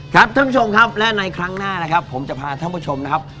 ท่านผู้ชมครับและในครั้งหน้านะครับผมจะพาท่านผู้ชมนะครับ